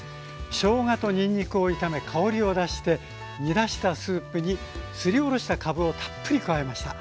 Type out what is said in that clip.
しょうがとにんにくを炒め香りを出して煮出したスープにすりおろしたかぶをたっぷり加えました。